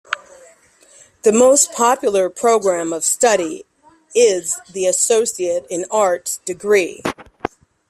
The most popular program of study is the associate in arts degree.